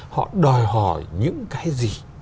họ đòi hỏi những cái gì